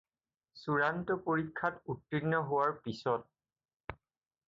চূড়ান্ত পৰীক্ষাত উত্তীৰ্ণ হােৱাৰ পিছত।